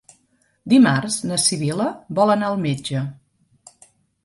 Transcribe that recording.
Dimarts na Sibil·la vol anar al metge.